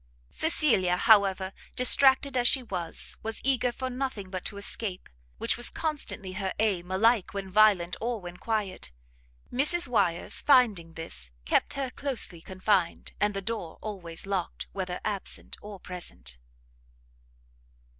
Cecilia, however, distracted as she was, was eager for nothing but to escape, which was constantly her aim, alike when violent or when quiet. Mrs Wyers, finding this, kept her closely confined, and the door always locked, whether absent or present.